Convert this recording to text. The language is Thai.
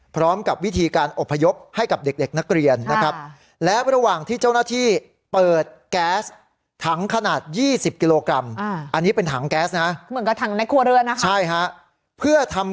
พร้อมกับวิธีการอบพยพให้กับเด็กนักเรียนนะครับ